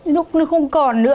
lúc nó không còn nữa